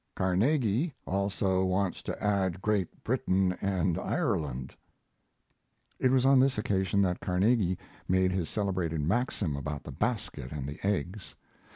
Carnegie also wants to add Great Britain & Ireland. It was on this occasion that Carnegie made his celebrated maxim about the basket and the eggs.